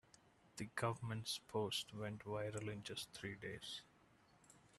The government's post went viral in just three days.